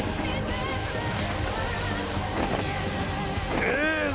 せの！